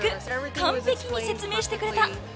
完璧に説明してくれた。